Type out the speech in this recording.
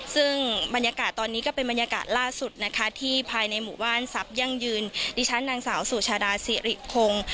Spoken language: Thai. ซึ่งบรรยากาศตอนนี้ก็เป็นบรรยากาศล่าสุดนะคะที่ภายในหมู่บ้านทรัพยั่งยืนดิฉันนางสาวสุชาดาสิริคง